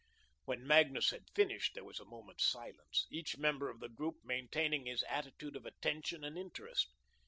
When Magnus had finished, there was a moment's silence, each member of the group maintaining his attitude of attention and interest.